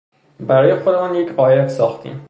برای خودمان یک قایق ساختیم.